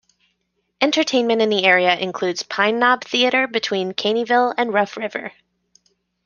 Entertainment in the area includes Pine Knob Theater between Caneyville and Rough River.